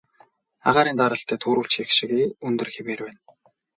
Агаарын даралт түрүүчийнх шигээ өндөр хэвээрээ байна.